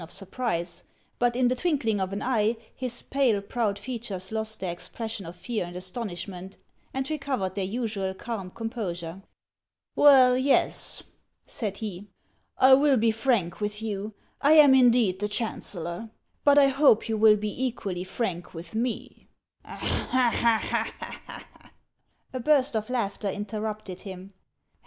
of surprise ; but in the twinkling of an eye, his pale, proud features lost their expression of fear and astonishment, and recovered their usual calm composure. "Well, yes," said he, "I will be frank with you; I am indeed the chancellor. But I hope you will be equally frank with me." A burst of laughter interrupted him.